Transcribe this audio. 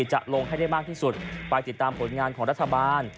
จะลงให้ได้มากที่สุดไปติดตามผลงานของรัฐบาล